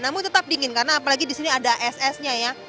namun tetap dingin karena apalagi di sini ada es esnya ya